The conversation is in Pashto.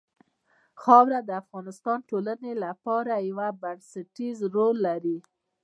خاوره د افغانستان د ټولنې لپاره یو بنسټيز رول لري.